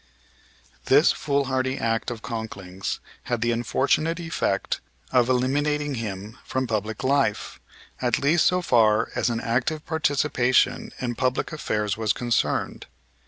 This foolhardy act of Conkling's had the unfortunate effect of eliminating him from public life, at least so far as an active participation in public affairs was concerned.